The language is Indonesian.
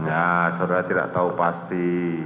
ya saudara tidak tahu pasti